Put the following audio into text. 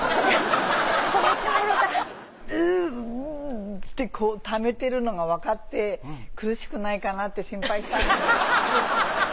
ぐってためてるのがわかって苦しくないかなって心配した。